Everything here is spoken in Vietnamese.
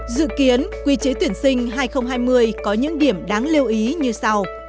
dự kiến quy chế tuyển sinh hai nghìn hai mươi có những điểm đáng lưu ý như sau